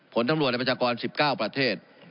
ผลตำรวจในประชากร๑๙ประเทศ